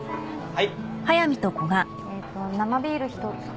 はい。